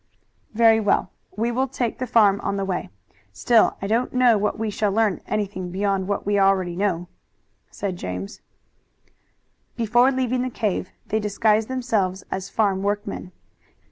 "Very well, we will take the farm on the way. Still I don't know that we shall learn anything beyond what we already know." Before leaving the cave they disguised themselves as farm workmen.